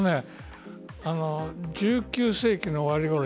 １９世紀の終わりごろ